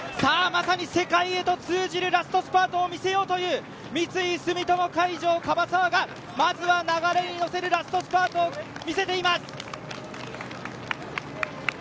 三井住友海上、来年はパリオリンピックを狙って、まさに世界へと通じるラストスパートを見せようという三井住友海上、樺沢がまずは流れにのせるラストスパートを見せています。